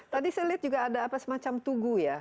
tadi saya lihat juga ada apa semacam tugu ya